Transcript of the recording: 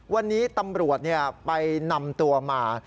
วันนี้ตำรวจไปนำตัวมา